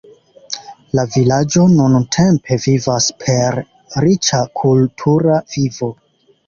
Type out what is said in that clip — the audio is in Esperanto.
La vilaĝo nuntempe vivas per riĉa kultura vivo.